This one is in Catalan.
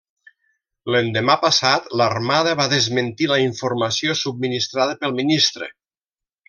L'endemà passat l'Armada va desmentir la informació subministrada pel ministre.